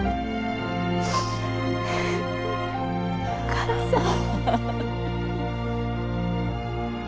お母さん。